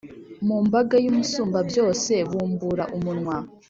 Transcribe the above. Mumbaga y’Umusumbabyose bubumbura umunwa,